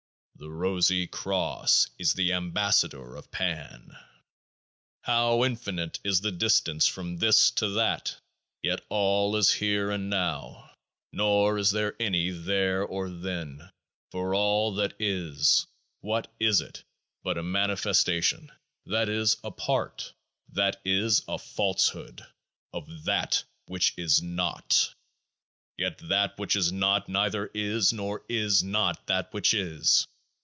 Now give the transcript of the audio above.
The Rosy Cross is the Ambassador of Pan. How infinite is the distance from This to That ! Yet All is Here and Now. Nor is there any 19 There or Then ; for all that is, what is it but a manifestation, that is, a part, that is, a falsehood, of THAT which is not? Yet THAT which is not neither is nor is not That which is